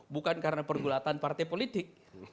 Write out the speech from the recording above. bukan karena pergulatan partai politik